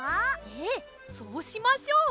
ええそうしましょう。